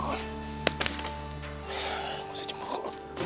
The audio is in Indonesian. gak usah cemburu